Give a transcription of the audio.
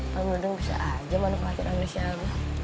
abang dudung bisa aja manfaatin amnesia abah